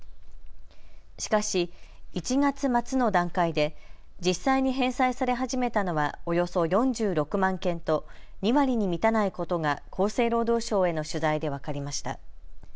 しかし１月末の段階で実際に返済され始めたのはおよそ４６万件と２割に満たないことが厚生労働省への取材で分かりました。